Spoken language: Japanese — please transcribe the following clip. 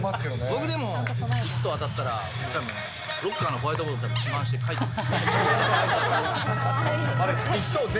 僕でも、１等当たったら、たぶんロッカーのホワイトボードに、自慢して書いてる。